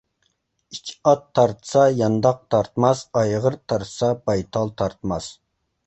ئىچ ئات تارتسا يانداق تارتماس، ئايغىر تارتسا بايتال تارتماس.